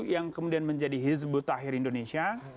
yang kemudian menjadi hizbut tahir indonesia